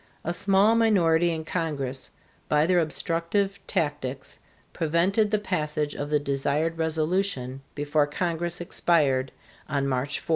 A small minority in Congress by their obstructive tactics prevented the passage of the desired resolution before Congress expired on March 4.